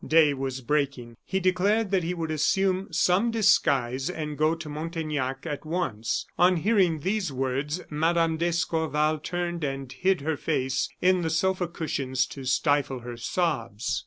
Day was breaking; he declared that he would assume some disguise and go to Montaignac at once. On hearing these words, Mme. d'Escorval turned and hid her face in the sofa cushions to stifle her sobs.